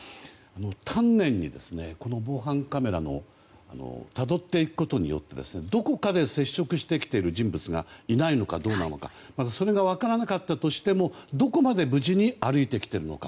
丹念に防犯カメラをたどっていくことによってどこかで接触してきている人物がいないのかどうなのかそれが分からなかったとしてもどこまで無事に歩いてきているのか。